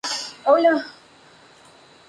Esta especie es fácil de identificar.